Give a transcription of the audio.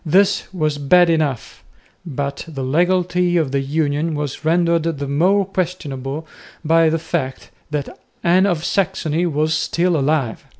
This was bad enough, but the legality of the union was rendered the more questionable by the fact that Anne of Saxony was still alive.